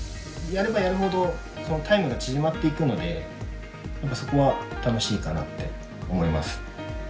やればやるほどタイムが縮まっていくのでそこは楽しいかなって思います。